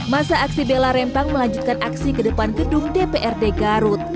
masa aksi bela rempang melanjutkan aksi ke depan gedung dprd garut